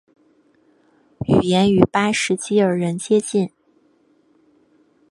语言与巴什基尔人接近。